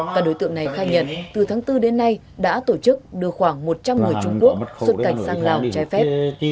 và đối tượng này khai nhận từ tháng bốn đến nay đã tổ chức đưa khoảng một trăm linh người trung quốc xuất cảnh sang lào trái phép